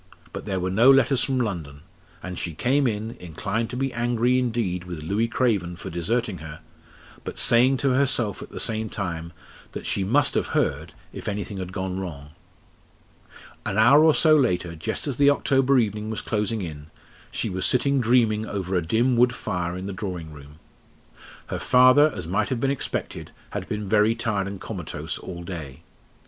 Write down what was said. But there were no letters from London, and she came in, inclined to be angry indeed with Louis Craven for deserting her, but saying to herself at the same time that she must have heard if anything had gone wrong. An hour or so later, just as the October evening was closing in, she was sitting dreaming over a dim wood fire in the drawing room. Her father, as might have been expected, had been very tired and comatose all day.